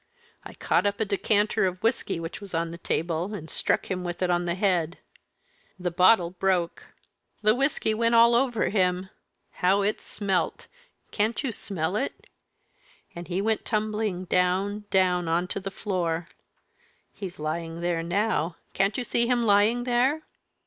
I caught up a decanter of whisky which was on the table, and struck him with it on the head. The bottle broke, the whisky went all over him how it smelt! Can't you smell it? and he went tumbling down, down, on to the floor. He's lying there now can't you see him lying there?"